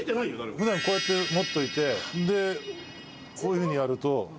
普段こうやって持っといてこういうふうにやると。